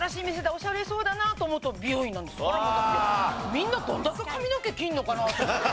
みんなどんだけ髪の毛切るのかなと思って。